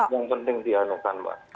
yang penting dianakan mbak